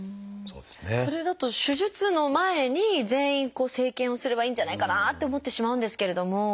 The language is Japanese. それだと手術の前に全員生検をすればいいんじゃないかなって思ってしまうんですけれども。